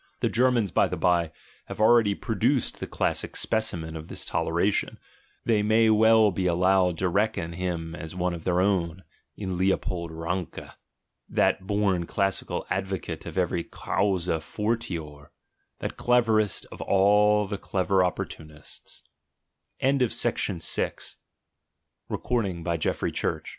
(The Germans, by the bye, have already produced the classic specimen of this toleration — they may well be allowed to reckon him as one of their own, in Leopold Ranke, that born classical advocate of every causa jortior, that cleverest of all the clever opportuni